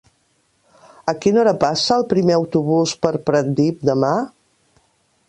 A quina hora passa el primer autobús per Pratdip demà?